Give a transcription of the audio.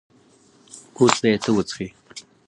اوس به یې ته وڅښې.